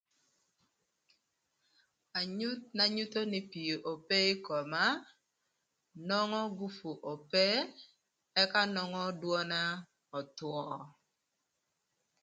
Anyuth na nyutho nï pii ope ï koma nongo kupu ope ëka nongo dwöna öthwö.